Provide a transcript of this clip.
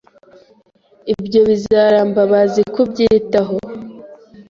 Ibyo bizaramba bazi kubyitaho.